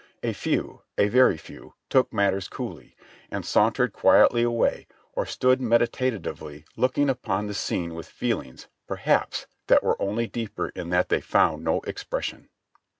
A few, a very few, took matters cooll}'', and sauntered quietly away or stood meditatively looking upon the scene with feelings, perhaps, that were onlv deeper in that they found no expression.